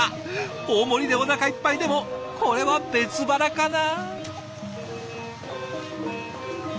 大盛りでおなかいっぱいでもこれは別腹かな。